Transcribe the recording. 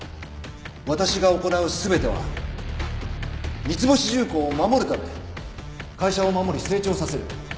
私が行う全ては三ツ星重工を守るためで会社を守り成長させる。